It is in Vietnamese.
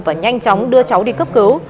và nhanh chóng đưa cháu đi cấp cứu